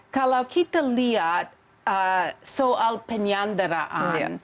kalau kita lihat soal penyanderaan